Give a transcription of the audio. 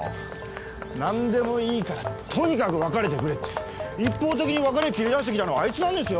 何でもいいからとにかく別れてくれって一方的に別れ切り出してきたのはあいつなんですよ。